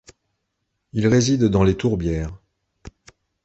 Il réside dans les tourbières.